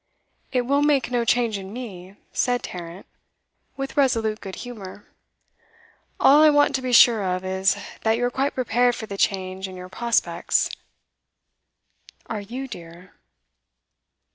'It will make no change in me,' said Tarrant, with resolute good humour. 'All I want to be sure of is that you are quite prepared for the change in your prospects.' 'Are you, dear?